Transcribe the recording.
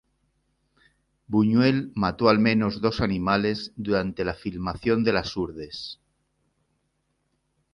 Buñuel mató al menos dos animales durante la filmación de "Las Hurdes".